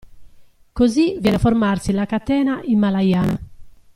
Così viene a formarsi la catena Himalayana.